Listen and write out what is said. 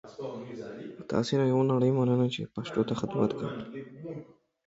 نمرې په انلاین بڼه کتل کیږي.